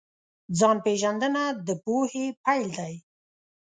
ځان پېژندنه د پوهې پیل دی.